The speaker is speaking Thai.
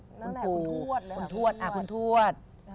นั่นแหละคุณทวดคุณทวดคุณทวด